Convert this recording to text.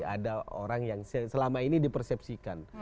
ada orang yang selama ini dipersepsikan